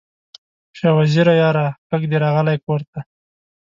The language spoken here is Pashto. شاه وزیره یاره، ږغ دې راغلی کور ته